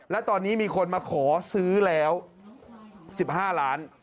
และตอนนี้มีคนมาขอซื้อแล้ว๑๕ล้าน